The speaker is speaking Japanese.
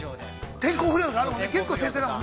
◆天候不良とかあるもんね。